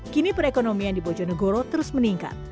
kini perekonomian di bojonegoro terus meningkat